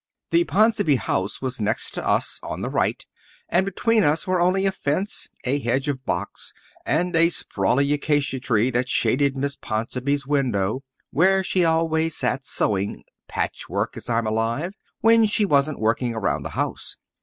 The Ponsonby house was next to us, on the right, and between us were only a fence, a hedge of box, and a sprawly acacia tree that shaded Miss Ponsonby's window, where she always sat sewing patchwork, as I'm alive when she wasn't working around the house.